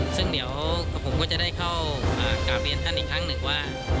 ซึ่งเดี๋ยวผมก็จะได้เข้ากราบเรียนท่านอีกครั้งหนึ่งว่า